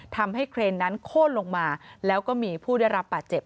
เครนนั้นโค้นลงมาแล้วก็มีผู้ได้รับบาดเจ็บ